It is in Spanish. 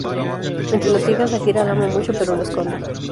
Entre las hijas, Akira lo ama mucho, pero lo esconde.